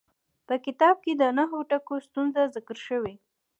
په کتاب کې د نهو ټکو ستونزه ذکر شوې.